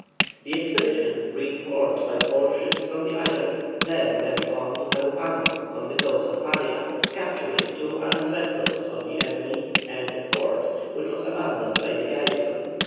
The expedition, reinforced by four ships from the island, then went on to Carupano, on the coast of Paria, capturing two armed vessels of the enemy and the fort, which was abandoned by the garrison.